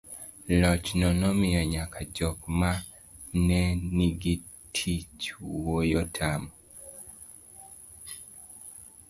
loch no nomiyo nyaka jok maneng'icho wuoyo otamo